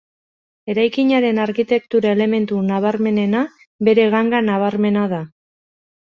Eraikinaren arkitektura elementu nabarmenena bere ganga nabarmena da.